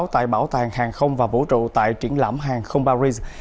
tại bảo tàng hàng không và vũ trụ tại triển lãm hàng không paris